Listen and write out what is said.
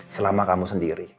selama kamu sendiri